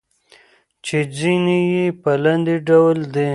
چې ځينې يې په لاندې ډول دي: